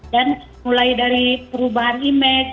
dan mulai dari perubahan imej